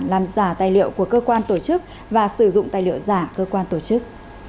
làm giả tài liệu của cơ quan tổ chức và sử dụng tài liệu giả cơ quan tổ chức